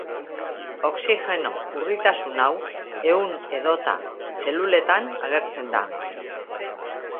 Oxigeno urritasun hau ehun edota zeluletan agertzen da.